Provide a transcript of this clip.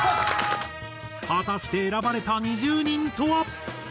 果たして選ばれた２０人とは？